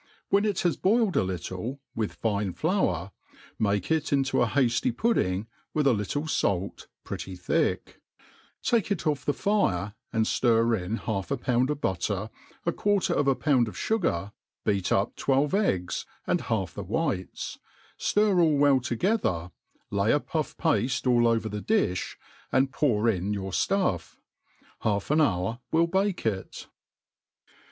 When it has boiled a little, with ikie flour, make ic into a hafty pudding^ with a little fait, pretty thick ; take it off the fire, and ftir in half a pound of butter, a quarter of a pound of fugar, beat up twelve eggs^ and half the whites, ftir all well together, lay a puff palte all over the difl), and pour in ~ your ftuff. Half an hour will bake it.